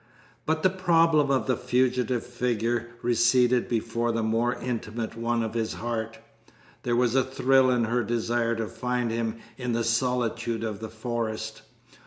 But the problem of the fugitive figure receded before the more intimate one of his heart. There was a thrill in her desire to find him in the solitude of the forest.